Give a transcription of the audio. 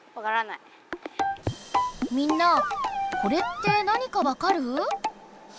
みんなこれって何か分かる？